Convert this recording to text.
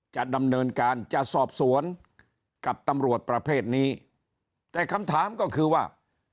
จะดำเนินการจะสอบสวนกับตำรวจประเภทนี้แต่คำถามก็คือว่า